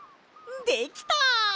できた！